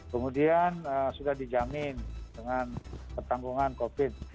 kemudian sudah dijamin dengan pertanggungan covid